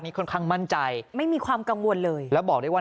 ค่อนข้างมั่นใจไม่มีความกังวลเลยแล้วบอกได้ว่า